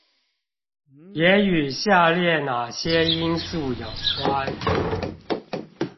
也與下列那些因素有關？